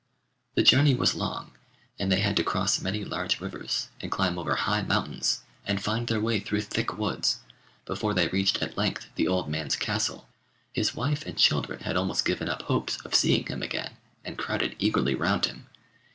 The journey was long, and they had to cross many large rivers, and climb over high mountains, and find their way through thick woods, before they reached at length the old man's castle. His wife and children had almost given up hopes of seeing him again, and crowded eagerly round him.